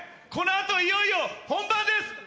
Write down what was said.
このあといよいよ本番です。